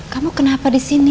kamu kenapa disini